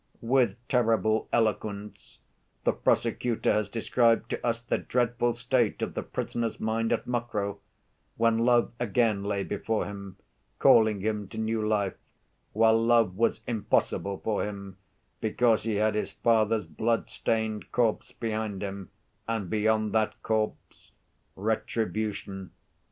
"With terrible eloquence the prosecutor has described to us the dreadful state of the prisoner's mind at Mokroe when love again lay before him calling him to new life, while love was impossible for him because he had his father's bloodstained corpse behind him and beyond that corpse—retribution.